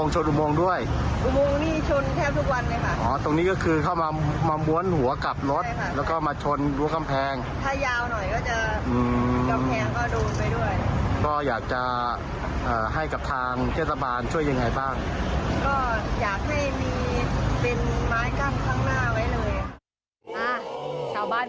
ชู้ดอบบ้านช่วยยังไงบ้าง